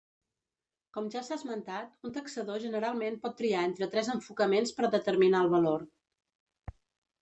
Com ja s'ha esmentat, un taxador generalment pot triar entre tres enfocaments per determinar el valor.